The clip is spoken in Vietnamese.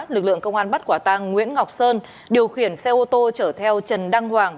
lực lượng công an bắt quả tang nguyễn ngọc sơn điều khiển xe ô tô chở theo trần đăng hoàng